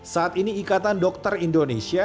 saat ini ikatan dokter indonesia